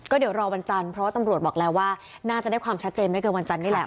เดี๋ยวรอวันจันทร์เพราะว่าตำรวจบอกแล้วว่าน่าจะได้ความชัดเจนไม่เกินวันจันทร์นี่แหละ